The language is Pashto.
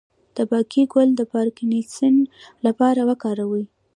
د باقلي ګل د پارکنسن لپاره وکاروئ